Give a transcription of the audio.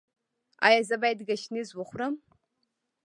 ایا زه باید ګشنیز وخورم؟